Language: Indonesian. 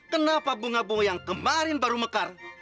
kenapa bunga bunga yang kemarin baru mekar